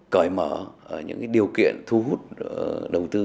cởi mở những điều kiện thu hút đầu tư